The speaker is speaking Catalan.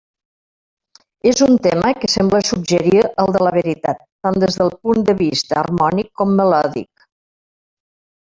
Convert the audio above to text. És un tema que sembla suggerir el de la veritat, tant des del punt de vista harmònic com melòdic.